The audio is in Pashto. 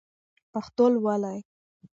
پښتو لولئ!